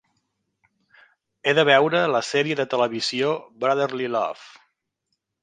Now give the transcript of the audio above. He de veure la sèrie de televisió Brotherly Love